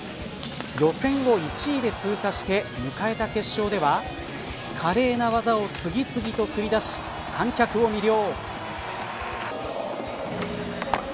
予選を１位で通過して迎えた決勝では華麗な技を次々と繰り出し観客を魅了。